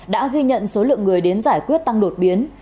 đã ghi nhận số lượng người đến giải quyết tăng đột biến